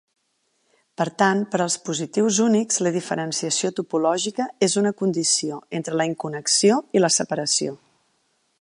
Per tant, per als positius únics, la diferenciació topològica és una condició entre la inconnexió i la separació.